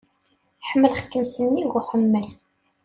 Ḥemmleɣ-kem s nnig uḥemmel.